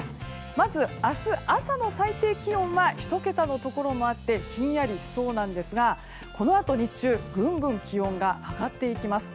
まず、明日朝の最低気温は１桁のところもあってひんやりしそうなんですがこのあと日中ぐんぐんと気温が上がっていきます。